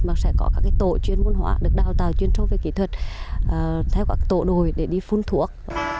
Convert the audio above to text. mà sẽ có các tổ chuyên môn hóa được đào tạo chuyên sâu về kỹ thuật theo các tổ đồi để đi phun thuốc